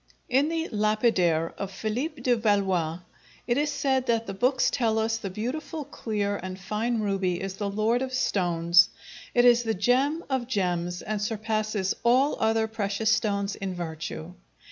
In the "Lapidaire" of Philippe de Valois, it is said that "the books tell us the beautiful clear and fine ruby is the lord of stones; it is the gem of gems, and surpasses all other precious stones in virtue."